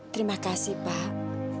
terima kasih pak